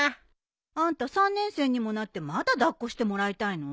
あんた３年生にもなってまだ抱っこしてもらいたいの？